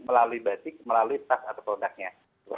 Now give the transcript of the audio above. melalui batik melalui tas atau produknya